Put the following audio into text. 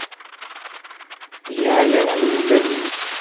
Giɣ aya i lmendad-nnek.